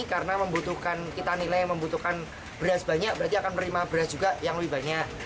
karena membutuhkan kita nilai membutuhkan beras banyak berarti akan menerima beras juga yang lebih banyak